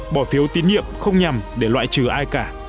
bỏ phiếu tín nhiệm không nhằm để loại trừ ai cả